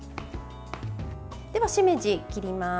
では、しめじを切ります。